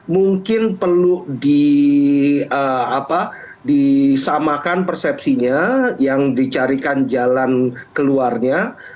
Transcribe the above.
mungkin perlu disamakan persepsinya yang dicarikan jalan keluarnya